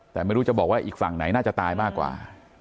แต่ไม่รู้จะบอกว่าอีกฝั่งไหนน่าจะตายมากกว่า